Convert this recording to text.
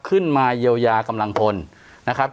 ขึ้นมาเยียวยากำลังพลนะครับ